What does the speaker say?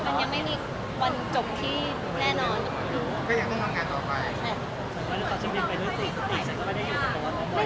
ก็ไม่ได้อยากมองน้ำขนาดนั้นแต่ว่า